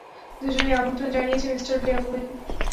দুজনেই আমন্ত্রণ জানিয়েছি, মিঃ ডেভলিন।